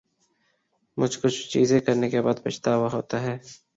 مچھ کچھ چیزیں کرنے کے بعد پچھتاوا ہوتا ہے